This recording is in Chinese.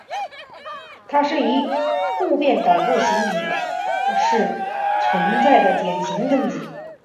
它是以互变异构体形式存在的典型分子。